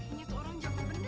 ini tuh orang jawa bener ya